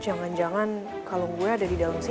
jangan jangan kalung gue ada di dalam sini